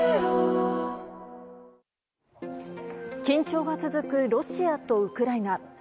緊張が続くロシアとウクライナ。